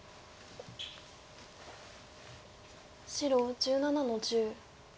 白１７の十。